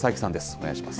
お願いします。